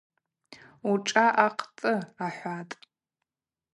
Ушӏа гӏахътӏы, – ахӏватӏ.